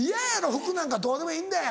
「服なんかどうでもいいんだよ